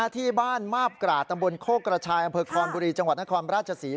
ที่บ้านมาบกราดตำบลโคกกระชายอำเภอคอนบุรีจังหวัดนครราชศรี